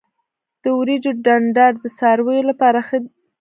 د وریجو ډنډر د څارویو لپاره دی.